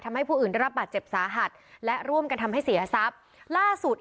ทำให้ผู้อื่นได้รับบาตเจ็บสาหัสและร่วมกันทำให้เสียทรัพย์